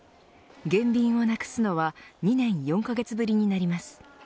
減便をなくすのは２年４カ月ぶりになります。